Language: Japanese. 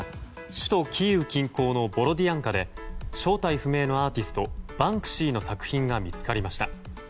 首都キーウ近郊のボロディアンカで正体不明のアーティストバンクシーの作品が見つかりました。